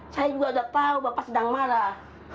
saya juga udah tahu bapak sedang marah